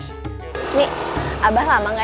pak ei atau enggak